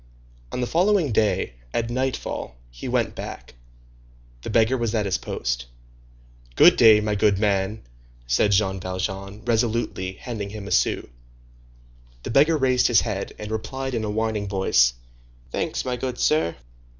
On the following day, at nightfall, he went back. The beggar was at his post. "Good day, my good man," said Jean Valjean, resolutely, handing him a sou. The beggar raised his head, and replied in a whining voice, "Thanks, my good sir."